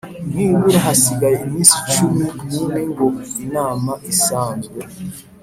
nibura hasigaye iminsi cumi n ine ngo inama isanzwe